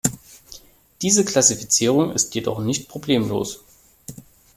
Diese Klassifizierung ist jedoch nicht problemlos.